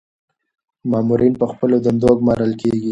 مامورین په خپلو دندو ګمارل کیږي.